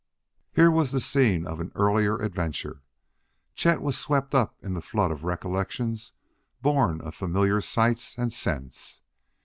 Here was the scene of an earlier adventure. Chet was swept up in the flood of recollections born of familiar sights and scents.